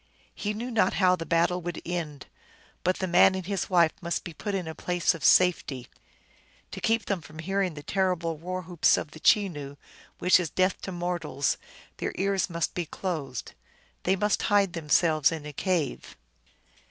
He knew not how the battle would end ; but the man and his wife must be put in a place of safety. To keep from hearing the terrible war whoops of the Chenoo, which is death to mortals, their ears must be closed. They must hide themselves in a cave.